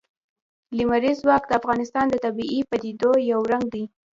لمریز ځواک د افغانستان د طبیعي پدیدو یو رنګ دی.